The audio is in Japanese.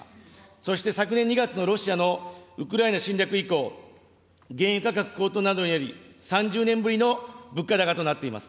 そして昨年２月のロシアのウクライナ侵略以降、原油価格高騰などにより、３０年ぶりの物価高となっています。